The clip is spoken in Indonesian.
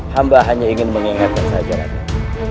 hamba hanya ingin mengingatkan saja rakyatnya